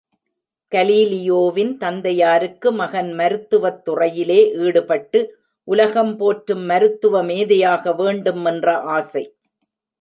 கலீலியோவின் தந்தையாருக்கு மகன் மருத்துவத்துறையிலே ஈடுபட்டு உலகம் போற்றும் மருத்துவ மேதையாக வேண்டும் என்ற ஆசை!